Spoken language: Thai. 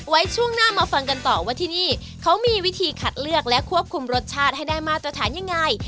ช่วงหน้ามาฟังกันต่อว่าที่นี่เขามีวิธีคัดเลือกและควบคุมรสชาติให้ได้มาตรฐานยังไง